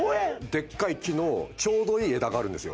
でっかい木のちょうどいい枝があるんですよ。